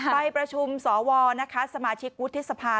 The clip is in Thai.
ไปประชุมสวสมาชิกอุทธศพา